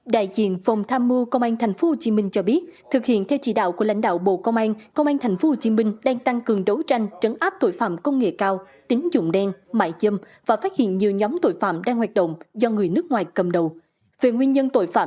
đại diện phòng tham mưu công an thành phố hồ chí minh cho biết thực hiện theo chỉ đạo của lãnh đạo bộ công an công an thành phố hồ chí minh đang tăng cường đấu tranh trấn áp tội phạm công nghệ cao tính dụng đen mại dâm và phát hiện nhiều nhóm tội phạm đang hoạt động do người nước ngoài cầm đầu